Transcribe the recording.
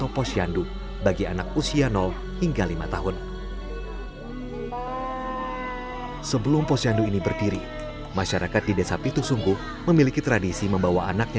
untuk meningkatkan nilai jualnya